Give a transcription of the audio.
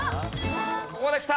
ここできた。